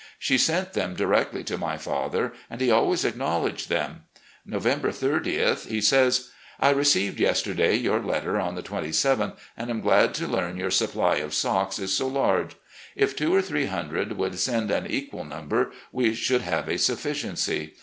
She sent them directly to my father, and he always acknowledged them. November 30th, he says: "... I received yesterday your letter on the 27th and am glad to learn your supply of socks is so large. If two or three hundred would send an equal number, we should have a sufficiency.